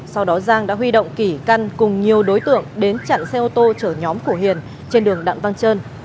sau đó giang đã huy động kỷ căn cùng nhiều đối tượng đến chặn xe ô tô chở nhóm của hiền trên đường đặng văn trơn